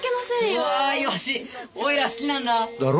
おいら好きなんだだろ？